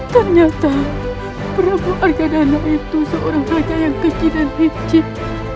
ternyata prabu argadana itu seorang rakyat yang kecil dan licik